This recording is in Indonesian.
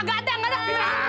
nggak ada nggak ada